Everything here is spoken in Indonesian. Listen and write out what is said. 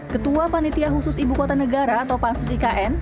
ketua panitia khusus ibu kota negara atau pansus ikn